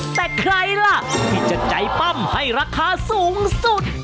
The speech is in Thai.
แต่ใครล่ะที่จะใจปั้มให้ราคาสูงสุด